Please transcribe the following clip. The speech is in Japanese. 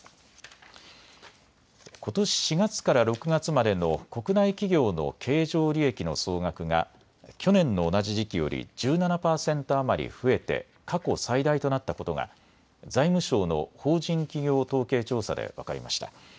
ことし４月から６月までの国内企業の経常利益の総額が去年の同じ時期より１７％余り増えて過去最大となったことが財務省の法人企業統計調査で分かりました。